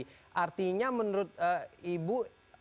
jadi artinya menurut ibu